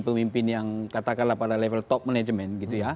pemimpin yang katakanlah pada level top management